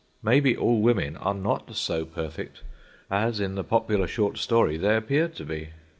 Maybe all women are not so perfect as in the popular short story they appear to be.